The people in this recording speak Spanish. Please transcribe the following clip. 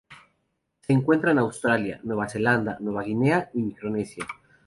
Se encuentra en Australia, Nueva Zelanda, Nueva Guinea y Micronesia.